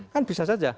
kan bisa saja